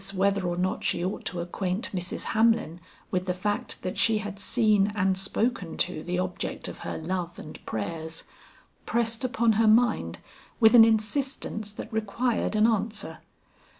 whether or not she ought to acquaint Mrs. Hamlin with the fact that she had seen and spoken to the object of her love and prayers, pressed upon her mind with an insistence that required an answer.